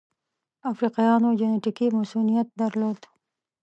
افریقایانو جنټیکي مصوونیت درلود.